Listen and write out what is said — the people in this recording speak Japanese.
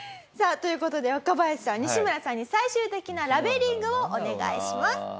さあという事で若林さん西村さんに最終的なラベリングをお願いします。